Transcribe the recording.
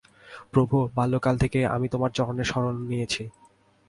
Provo, বাল্যকাল থেকেই আমি তোমার চরণে শরণ নিয়েছি।